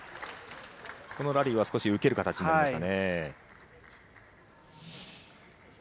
このラリーは少し受ける形になりましたね。